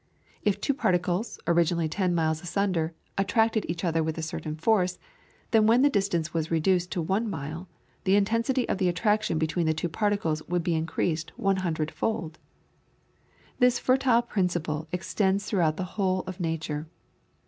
If two particles, originally ten miles asunder, attracted each other with a certain force, then, when the distance was reduced to one mile, the intensity of the attraction between the two particles would be increased one hundred fold. This fertile principle extends throughout the whole of nature.